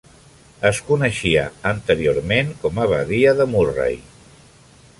Es coneixia anteriorment com a Badia de Murray.